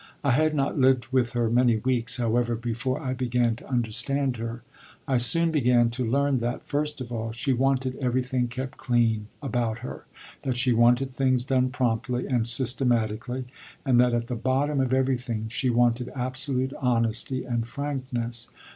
I had not lived with her many weeks, however, before I began to understand her. I soon began to learn that, first of all, she wanted everything kept clean about her, that she wanted things done promptly and systematically, and that at the bottom of everything she wanted absolute honesty and frankness.